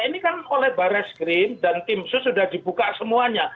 ini kan oleh baris krim dan tim sus sudah dibuka semuanya